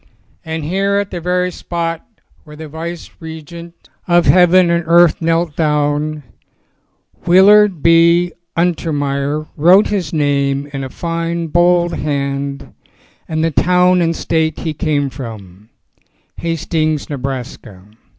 And here at the very spot where the vice regent ON A CHINESE SCREEN of heaven and earth knelt down, Willard B. Unter meyer wrote his name in a fine bold hand and the town and state he came from, Hastings, Nebraska.